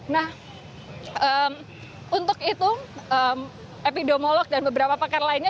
nah untuk itu epidemiolog dan beberapa pakar lainnya